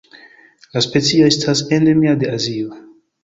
La specio estas endemia de Azio.